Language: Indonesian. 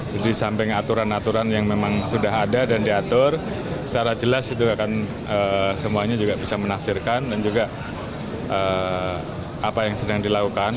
jadi sampai aturan aturan yang memang sudah ada dan diatur secara jelas itu akan semuanya juga bisa menafsirkan dan juga apa yang sedang dilakukan